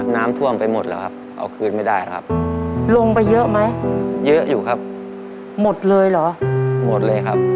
น้ำท่วมไปหมดแล้วครับ